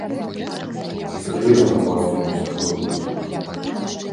Ці стае ў грамадстве вось такой культуры.